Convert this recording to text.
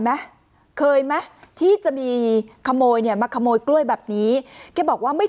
ไหมเคยไหมที่จะมีขโมยเนี่ยมาขโมยกล้วยแบบนี้แกบอกว่าไม่